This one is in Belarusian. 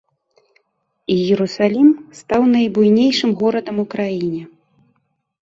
Іерусалім стаў найбуйнейшым горадам у краіне.